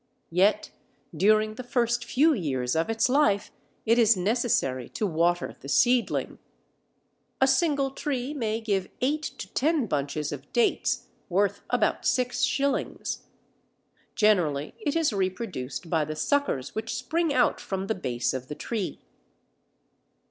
Yet during the first few years of its life it is necessary to water the seedling. A single tree may give eight to ten bunches of dates worth about six shillings. Generally it is reproduced by the suckers which spring out from the base of the tree.